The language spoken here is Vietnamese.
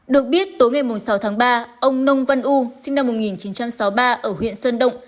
được biết tối ngày sáu tháng ba ông nông văn u sinh năm một nghìn chín trăm sáu mươi ba ở huyện sơn động